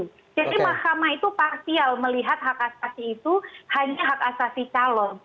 jadi mahkamah itu parsial melihat hak asasi itu hanya hak asasi calon